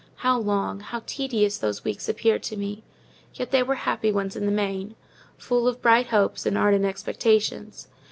How long, how tedious those weeks appeared to me! Yet they were happy ones in the main—full of bright hopes and ardent expectations.